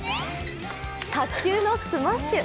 卓球のスマッシュ。